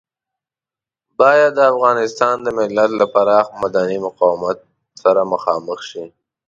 بايد د افغانستان د ملت له پراخ مدني مقاومت سره مخامخ شي.